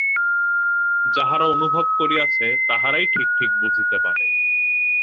যাহারা অনুভব করিয়াছে, তাহারাই ঠিক ঠিক বুঝিতে পারে।